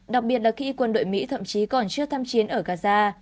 đặc biệt là khi quân đội mỹ thậm chí còn chưa tham chiến ở gaza